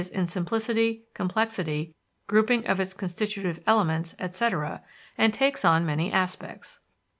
in simplicity, complexity, grouping of its constitutive elements, etc., and takes on many aspects.